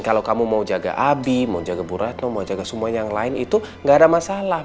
kalau kamu mau jaga abi mau jaga bu ratno mau jaga semua yang lain itu nggak ada masalah